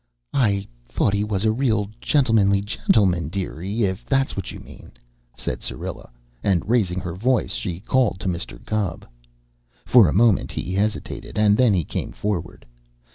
"I thought he was a real gentlem'nly gentlemun, dearie, if that's what you mean," said Syrilla; and raising her voice she called to Mr. Gubb. For a moment he hesitated, and then he came forward.